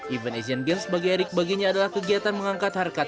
event asian games bagi erick baginya adalah kegiatan mengangkat harkat